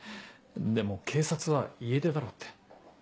でも警察は「家出だろう」って。